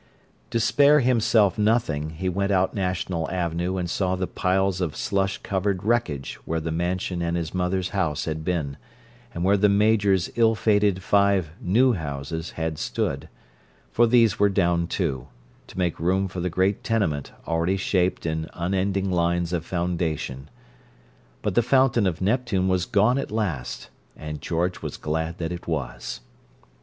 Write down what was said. To spare himself nothing, he went out National Avenue and saw the piles of slush covered wreckage where the Mansion and his mother's house had been, and where the Major's ill fated five "new" houses had stood; for these were down, too, to make room for the great tenement already shaped in unending lines of foundation. But the Fountain of Neptune was gone at last—and George was glad that it was!